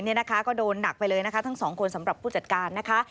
เนี่ยนะคะก็โดนหนักไปเลยนะคะทั้งสองคนสำหรับผู้จัดการนะคะ